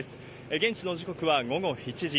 現地の時刻は午後７時。